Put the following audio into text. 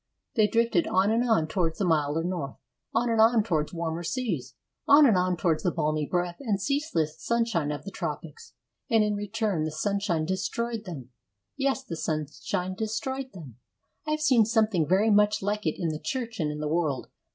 They drifted on and on towards the milder north; on and on towards warmer seas; on and on towards the balmy breath and ceaseless sunshine of the tropics. And, in return, the sunshine destroyed them. Yes, the sunshine destroyed them. I have seen something very much like it in the Church and in the world.